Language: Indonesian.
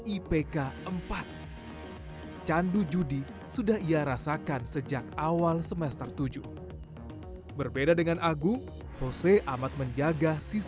itu mudah sekali